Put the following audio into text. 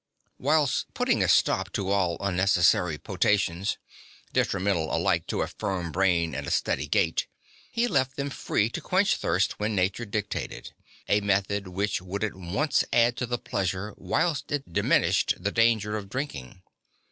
Whilst putting a stop to all unnecessary potations, detrimental alike to a firm brain and a steady gait, (5) he left them free to quench thirst when nature dictated (6); a method which would at once add to the pleasure whilst it diminished the danger of drinking.